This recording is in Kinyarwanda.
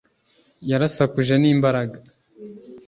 yarasakuje n'imbaraga